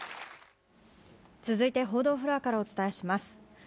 続いて、報道フロアからニュースをお伝えします。